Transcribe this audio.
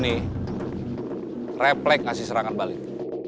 nah ini refleks ngasih serangan balik